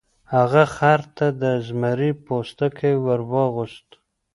هغه خر ته د زمري پوستکی ور واغوسته.